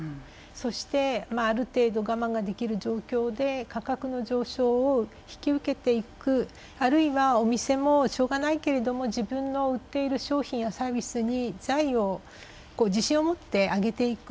そして、ある程度我慢ができる状況で価格の上昇を引き受けていく、あるいはお店もしょうがないけれど自分の売っている商品やサービスに財を自信を持ってあげていく。